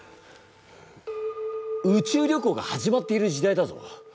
うちゅう旅行が始まっている時代だぞ。